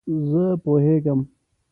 زه پوهیږم